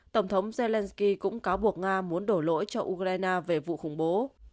tổng thống zelensky cũng cáo buộc nga muốn đổ lỗi cho ukraine về vụ khủng bố